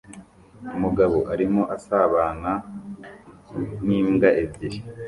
Umugabo arimo asabana n'imbwa ebyiri